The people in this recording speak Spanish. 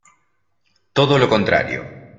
Todo lo contrario.